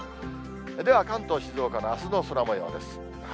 では関東、静岡のあすの空もようです。